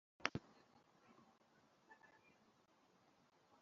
Ese bibiliya yavuye ku mana